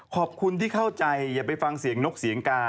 ขอบคุณที่เข้าใจอย่าไปฟังเสียงนกเสียงกา